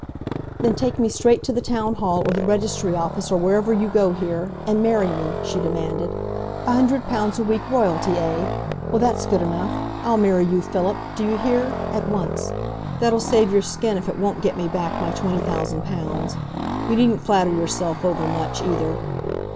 "Then take me straight to the town hall, or the registry office, or wherever you go here, and marry me," she demanded. "A hundred pounds a week royalty, eh? Well, that's good enough. I'll marry you, Philip do you hear? at once. That'll save your skin if it won't get me back my twenty thousand pounds. You needn't flatter yourself overmuch, either.